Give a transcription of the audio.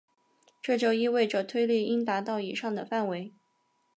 这就意味着推力应达到以上的范围。